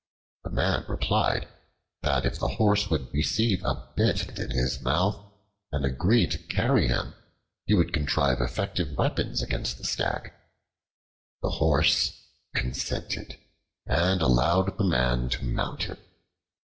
The man replied that if the Horse would receive a bit in his mouth and agree to carry him, he would contrive effective weapons against the Stag. The Horse consented and allowed the man to mount him.